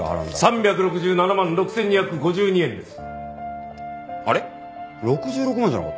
３６７万６２５２円です。